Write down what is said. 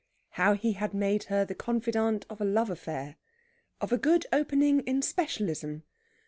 HOW HE HAD MADE HER THE CONFIDANTE OF A LOVE AFFAIR. OF A GOOD OPENING IN SPECIALISM.